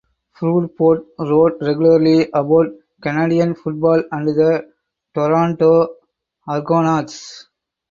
Proudfoot wrote regularly about Canadian football and the Toronto Argonauts.